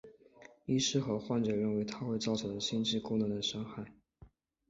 医师和患者认为它会造成心智功能的伤害。